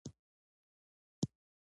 هر نسل خپل غږ لري